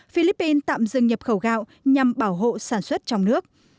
philippines tạm dừng nhập khẩu gạo nhằm bảo hộ sản xuất trong nước